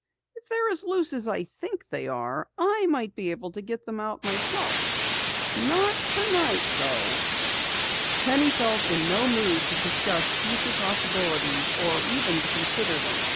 "If they are as loose as I think they are, I might be able to get them out myself. Not tonight though." Penny felt in no mood to discuss future possibilities or even to consider them.